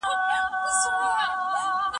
ته د خپلو سترګو ځل کې نڅېدلې